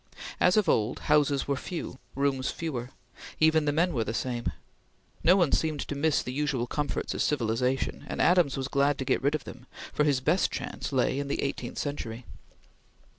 As of old, houses were few; rooms fewer; even the men were the same. No one seemed to miss the usual comforts of civilization, and Adams was glad to get rid of them, for his best chance lay in the eighteenth century.